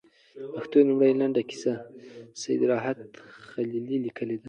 د پښتو لومړۍ لنډه کيسه، سيدراحت زاخيلي ليکلې ده